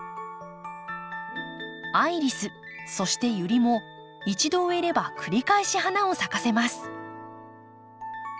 アイリスそしてユリも一度植えれば繰り返し花を咲かせます。